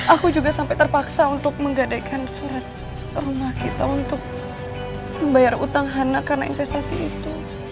aku juga sampai terpaksa untuk menggadaikan surat rumah kita untuk membayar utang hana karena investasi itu